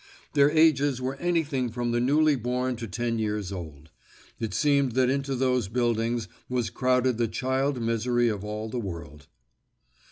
Their ages were anything from the newly born to ten years old. It seemed that into those buildings was crowded the child misery of all the world.